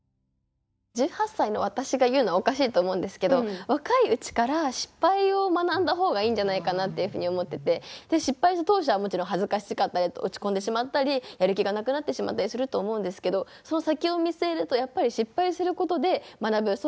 １８歳の私が言うのはおかしいと思うんですけど若いうちから失敗を学んだ方がいいんじゃないかなっていうふうに思ってて失敗した当初はもちろん恥ずかしかったり落ち込んでしまったりやる気がなくなってしまったりすると思うんですけどその先を見据えるとやっぱり失敗することで学ぶ。